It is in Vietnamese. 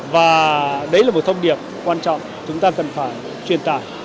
và đấy là một thông điệp quan trọng chúng ta cần phải truyền tải